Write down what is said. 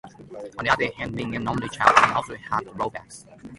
On the other hand, being an only child can also have drawbacks.